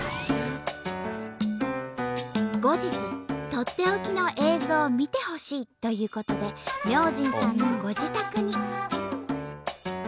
後日とっておきの映像を見てほしいということで明神さんのご自宅に。